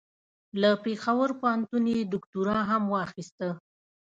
له پېښور پوهنتون یې دوکتورا هم واخیسته.